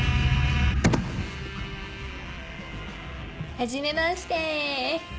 はじめまして。